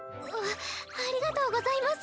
ありがとうございます。